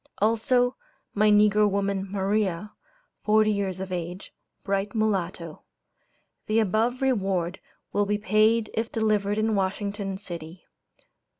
Also, my negro woman, 'Maria,' forty years of age, bright mulatto. The above reward will be paid if delivered in Washington city.